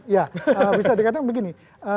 ya bisa dikatakan begini